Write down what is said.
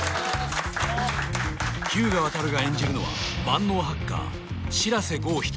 日向亘が演じるのは万能ハッカー白瀬剛人